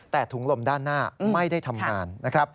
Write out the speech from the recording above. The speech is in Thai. แต่ถุงลมด้านหน้าไม่ได้ทำงานนะครับ